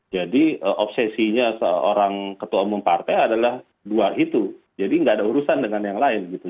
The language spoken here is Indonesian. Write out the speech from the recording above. jadi obsesinya seorang ketua umum partai adalah luar itu jadi nggak ada urusan dengan yang lain gitu